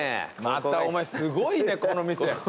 またお前すごいねこの店。